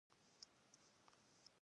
پښتو باید خپل ځواک وساتي.